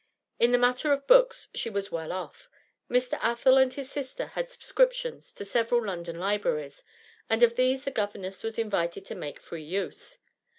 In the matter of books she was well off; Mr. Athel and his sister had subscriptions at several London libraries, and of these the governess was invited to make free use.